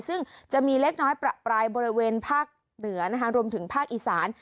ซึ่งจะมีเล็กน้อยประปรายบริเวณภาคเหนือนะคะรวมถึงภาคอีสาน